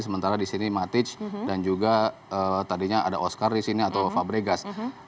sementara di sini matic dan juga tadinya ada oscar di sini atau fabregas